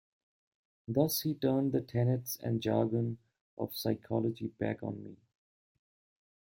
Thus he turned the tenets and jargon of psychology back on me.